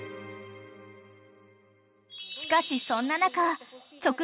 ［しかしそんな中］